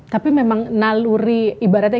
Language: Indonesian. tapi memang naluri ibaratnya